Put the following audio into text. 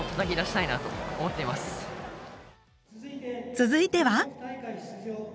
続いては。